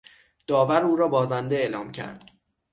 داور او را بازنده اعلام کرد.